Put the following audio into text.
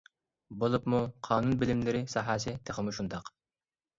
بولۇپمۇ قانۇن بىلىملىرى ساھەسى تېخىمۇ شۇنداق.